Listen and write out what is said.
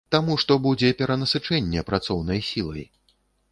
Таму што будзе перанасычэнне працоўнай сілай.